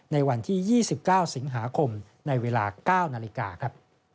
ในวันที่๒๙สิงหาคมในเวลา๙นาฬิกาครับ